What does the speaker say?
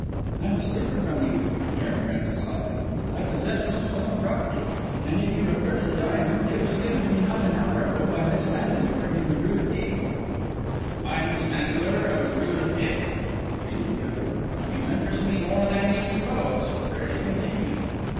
"I must differ from you!" returned Francis hotly. "I possess no stolen property. And if you refer to the diamond, it was given to me not an hour ago by Miss Vandeleur in the Rue Lepic." "By Miss Vandeleur of the Rue Lepic!" repeated the other. "You interest me more than you suppose. Pray continue."